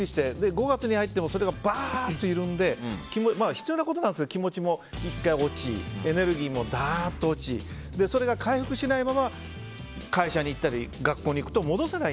５月に入ってもこれがばーっとゆるんで必要なことなんですけど気持ちが１回落ちエネルギーもだーっと落ちそれが回復しないまま会社に行ったり学校に行ったりすると戻せない。